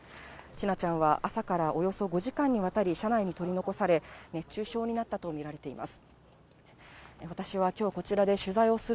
千奈ちゃんは朝からおよそ５時間にわたり、車内に取り残され、熱中症になったと見られています。